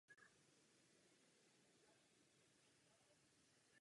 Pár slov ke kvótám.